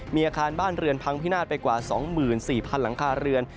มีอาคารบ้านเรือนพังพินาศไปกว่า๒๔๐๐๐หลังคาเรือน